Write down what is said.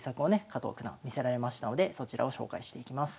加藤九段見せられましたのでそちらを紹介していきます。